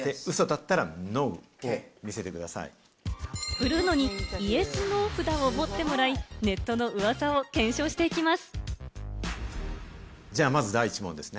ブルーノにＹｅｓ、Ｎｏ札を持ってもらい、ネットの噂を検証していきます。